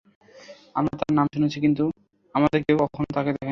আমরা তার নাম শুনেছি কিন্তু আমাদের কেউ কখনো তাকে দেখিনি।